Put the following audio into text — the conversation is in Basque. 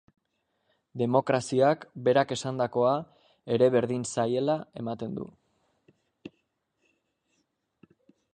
Demokraziak berak esandakoa ere berdin zaiela ematen du.